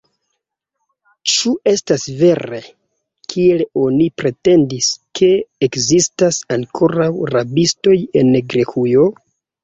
Ĉu estas vere, kiel oni pretendis, ke ekzistas ankoraŭ rabistoj en Grekujo?